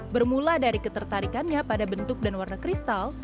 bermula dari ketertarikannya pada bentuk dan warna kristal